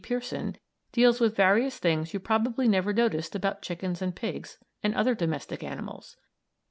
Pierson, deals with various things you probably never noticed about chickens and pigs, and other domestic animals.